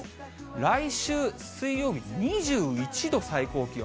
来週水曜日２１度、最高気温。